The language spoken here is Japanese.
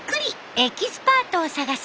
エキスパート」を探す